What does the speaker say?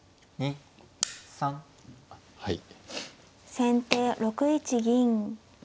先手６一銀。